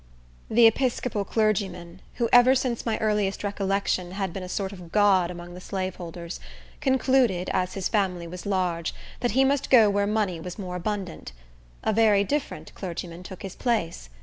The Episcopal clergyman, who, ever since my earliest recollection, had been a sort of god among the slaveholders, concluded, as his family was large, that he must go where money was more abundant. A very different clergyman took his place.